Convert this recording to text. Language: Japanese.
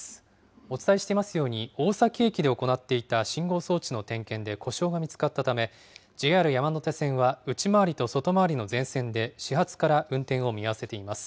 お伝えしていますように、大崎駅で行っていた信号装置の点検で故障が見つかったため、ＪＲ山手線は内回りと外回りの全線で始発から運転を見合わせています。